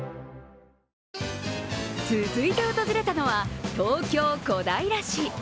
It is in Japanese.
続いて訪れたのは東京・小平市。